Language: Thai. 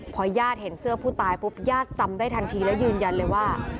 พอญาติเห็นเสื้อผู้ตายปุ๊บญาติจำได้ทันทีแล้วยืนยันเลยว่า